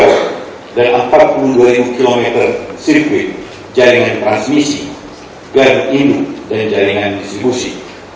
untuk pembangunan lebih dari sepuluh ribu megawatt dan empat puluh dua ribu kilometer sirkuit jaringan transmisi garuk inu dan jaringan distribusi